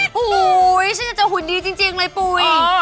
หูยฉันจะเจอหุ่นดีจริงเลยปุ๋ย